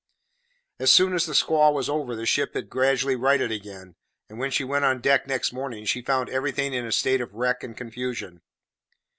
As soon as the squall was over, the ship had gradually righted again; and when she went on deck next morning, she found everything in a state of wreck and confusion.